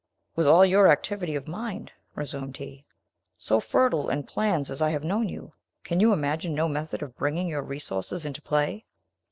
"With all your activity of mind," resumed he, "so fertile in plans as I have known you, can you imagine no method of bringing your resources into play?"